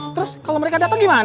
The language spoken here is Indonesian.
terus kalo mereka dateng gimana